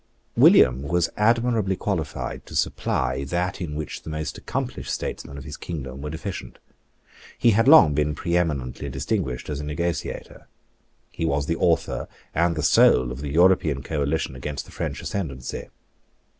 William was admirably qualified to supply that in which the most accomplished statesmen of his kingdom were deficient. He had long been preeminently distinguished as a negotiator. He was the author and the soul of the European coalition against the French ascendency.